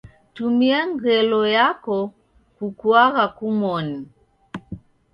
Tumia ngelo yako kukuagha kumoni.